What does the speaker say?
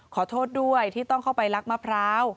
ขอโทษด้วยที่ต้องเข้าไปลักมะพร้าว